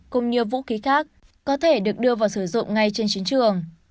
cũng như vũ khí khác có thể được đưa vào sử dụng ngay trên chiến trường